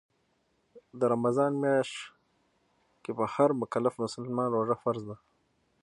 د رمضان میاشت کې په هر مکلف مسلمان روژه فرض ده